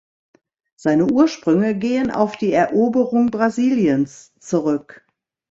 Seine Ursprünge gehen auf die Eroberung Brasiliens zurück.